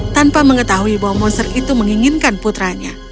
tanpa mengetahui bahwa monster itu menginginkan putranya